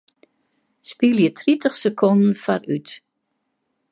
Spylje tritich sekonden foarút.